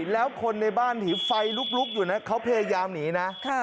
แล้วคนในบ้านที่ไฟลุกอยู่นะเขาพยายามหนีนะ